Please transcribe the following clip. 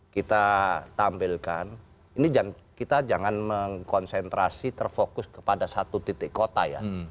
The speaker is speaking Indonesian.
kita tampilkan ini kita jangan mengkonsentrasi terfokus kepada satu titik kota ya